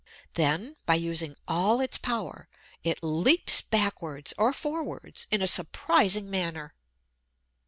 Then, by using all its power, it leaps backwards or forwards in a surprising manner.